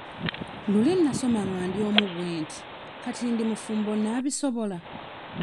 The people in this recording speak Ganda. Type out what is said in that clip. Luli nasoma nga ndi omu bwe nti kati ndi mufumbo naabisobola?